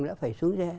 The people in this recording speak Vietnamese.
đã phải xuống xe